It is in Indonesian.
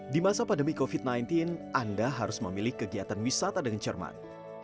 di masa pandemi covid sembilan belas anda harus memilih kegiatan wisata dengan cermat